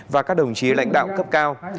và các đồng chí lãnh đạo cấp cao